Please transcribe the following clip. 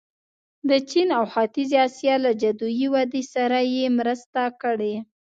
د چین او ختیځې اسیا له جادويي ودې سره یې مرسته کړې.